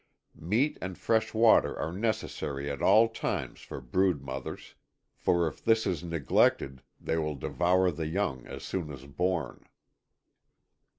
Meat and fresh water are necessary at all times for brood mothers, for if this is neglected they will devour the young as soon as born.